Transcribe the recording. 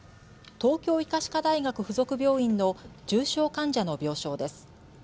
東京医科歯科大学附属病院の重症患者の病床です。